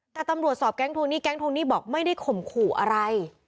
แต่ตำรวจสอบแก๊งทวงหนี้แก๊งทวงหนี้บอกไม่ได้ข่มขู่อะไร